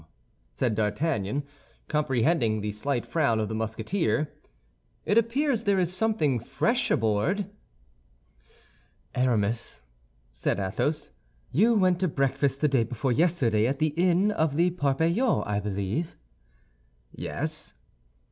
said D'Artagnan, comprehending the slight frown of the Musketeer. "It appears there is something fresh aboard." "Aramis," said Athos, "you went to breakfast the day before yesterday at the inn of the Parpaillot, I believe?" "Yes."